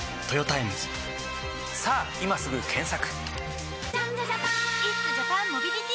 さぁ今すぐ検索！